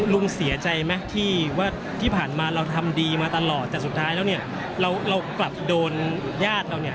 ลุงเสียใจไหมที่ว่าที่ผ่านมาเราทำดีมาตลอดแต่สุดท้ายแล้วเนี่ยเรากลับโดนญาติเราเนี่ย